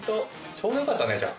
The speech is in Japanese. ちょうどよかったねじゃあ。